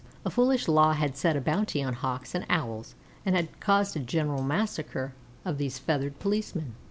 A foolish law had set a bounty on Hawks and Owls and had caused a general massacre of these feathered policemen.